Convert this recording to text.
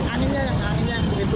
anginnya yang keju